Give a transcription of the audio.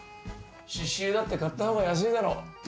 刺しゅうだって買ったほうが安いだろ。